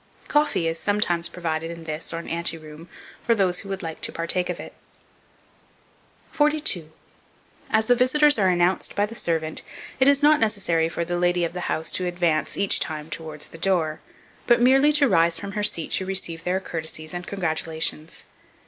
Coffee is sometimes provided in this, or an ante room, for those who would like to partake of it. 42. AS THE VISITORS ARE ANNOUNCED BY THE SERVANT, it is not necessary for the lady of the house to advance each time towards the door, but merely to rise from her seat to receive their courtesies and congratulations.